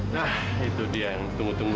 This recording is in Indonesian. nah itu dia yang tunggu tunggu